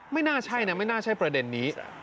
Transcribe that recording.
ไม่น่าใช่นะไม่น่าใช่ประเด็นนี้